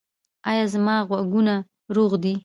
ایا زما غوږونه روغ دي؟